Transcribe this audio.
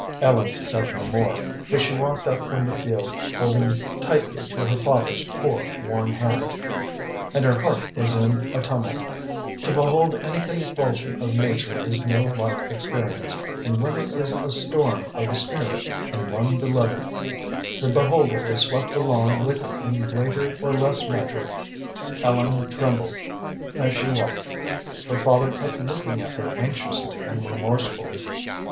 Ellen said no more, but she walked up from the field holding tightly to her father's poor, worn hand, and her heart was in a tumult. To behold any convulsion of nature is no light experience, and when it is a storm of the spirit in one beloved the beholder is swept along with it in greater or less measure. Ellen trembled as she walked. Her father kept looking at her anxiously and remorsefully.